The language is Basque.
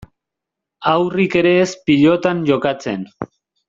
Haurrik ere ez pilotan jokatzen.